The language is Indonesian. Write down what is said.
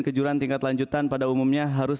kejuran tingkat lanjutan pada umumnya harus